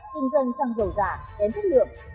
kinh doanh xăng dầu giả đánh chất lượng